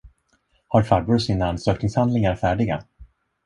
Har farbror sina ansökningshandlingar färdiga?